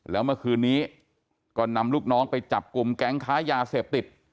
แล้วเมื่อคืนนี้ก็นำลูกน้องไปจับกลุ่มแก๊งค้ายาเสพติด